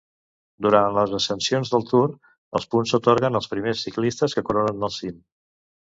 Durant les ascensions del Tour, els punts s'atorguen als primers ciclistes que coronen el cim.